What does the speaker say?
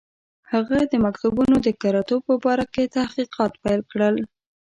هغه د مکتوبونو د کره توب په باره کې تحقیقات پیل کړل.